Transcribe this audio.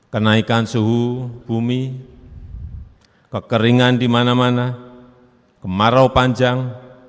kenaikan suhu bumi kekeringan di mana mana kemarau panjang